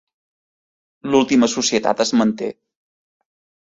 L'última societat es manté.